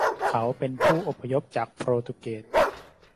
เขาเป็นผู้อพยพจากโปรตุเกส